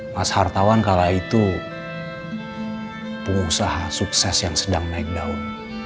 mas hartawan kala itu pengusaha sukses yang sedang naik daun